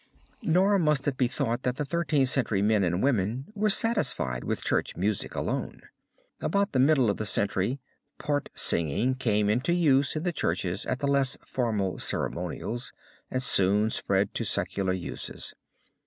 Nor must it be thought that the Thirteenth Century men and women were satisfied with Church music alone. About the middle of the century part singing came into use in the churches at the less formal ceremonials, and soon spread to secular uses.